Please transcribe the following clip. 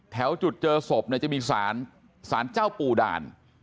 แถวจุดเจอศพเนี่ยจะมีสารเจ้าปู่ด่าน